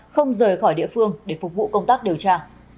không rời khỏi địa phương để phục vụ công tác điều tra